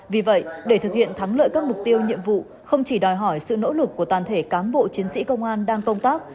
vì vậy để thực hiện thắng lợi các mục tiêu nhiệm vụ không chỉ đòi hỏi sự nỗ lực của toàn thể cán bộ chiến sĩ công an đang công tác